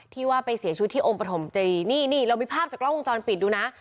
ที่ว่าไปเสียชีวิตที่องค์ปฐมเจนี่นี่เรามีภาพจากกล้องวงจรปิดดูนะ